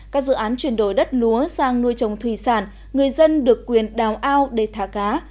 các dự án chuyển đổi đất lúa sang nuôi trồng thủy sản người dân được quyền đào ao để thả cá